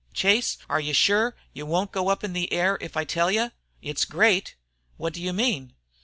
Chase, are you shure you won't go up in the air, if I tell you? It's great." "What do you mean?"